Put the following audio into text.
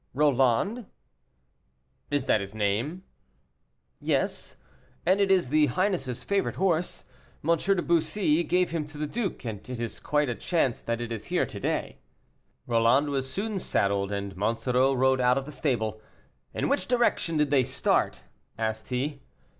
"Roland?" "Is that his name?" "Yes, and it is his highness's favorite horse. M. de Bussy gave him to the duke, and it is quite a chance that it is here to day." Ronald was soon saddled, and Monsoreau rode out of the stable. "In which direction did they start?" asked he.